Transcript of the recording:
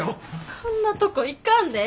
そんなとこ行かんでええ！